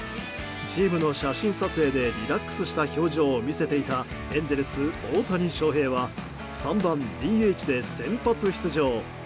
チームの写真撮影でリラックスした表情を見せていたエンゼルス、大谷翔平は３番ＤＨで先発出場。